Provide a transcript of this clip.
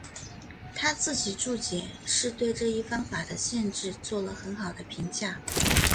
他自己注解是对这一方法的限制做了很好的评价。